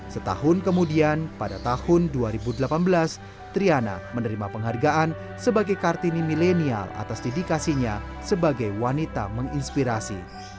setahun kemudian pada tahun dua ribu delapan belas triana menerima penghargaan sebagai kartini milenial atas dedikasinya sebagai wanita menginspirasi